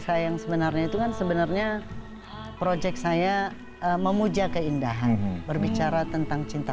saya yang sebenarnya itu kan sebenarnya proyek saya memuja keindahan berbicara tentang cinta